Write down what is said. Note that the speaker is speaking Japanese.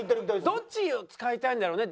どっちを使いたいんだろうね？